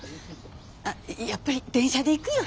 あっやっぱり電車で行くよ。